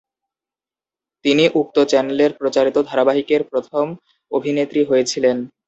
তিনি উক্ত চ্যানেলের প্রচারিত ধারাবাহিকের প্রথম অভিনেত্রী হয়েছিলেন।